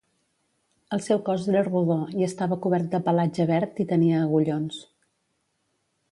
El seu cos era rodó i estava cobert de pelatge verd i tenia agullons